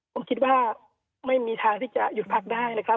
ผมคิดว่าไม่มีทางที่จะหยุดพักได้นะครับ